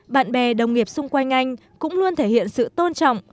bạn bè đồng nghiệp xung quanh anh cũng luôn thể hiện sự tôn trọng